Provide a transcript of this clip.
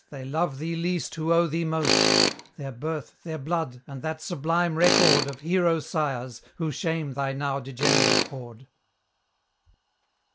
they love thee least who owe thee most Their birth, their blood, and that sublime record Of hero sires, who shame thy now degenerate horde!